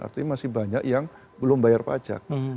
artinya masih banyak yang belum bayar pajak